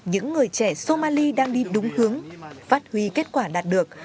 những người trẻ somali đang đi đúng hướng phát huy kết quả đạt được